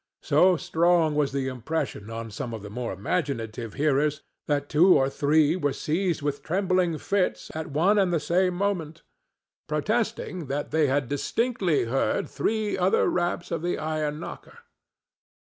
So strong was the impression on some of the more imaginative hearers that two or three were seized with trembling fits at one and the same moment, protesting that they had distinctly heard three other raps of the iron knocker.